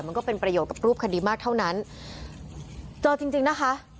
มันก็เป็นประโยชน์กับรูปคดีมากเท่านั้นเจอจริงจริงนะคะ